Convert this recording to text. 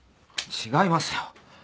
違いますよ。